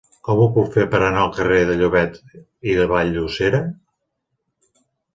Com ho puc fer per anar al carrer de Llobet i Vall-llosera?